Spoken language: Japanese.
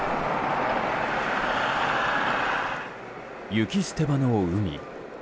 雪捨て場の海。